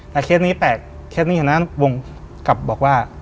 แต่เคสนี้แปลกเคสนี้อยู่นั้นวงกลับบอกว่า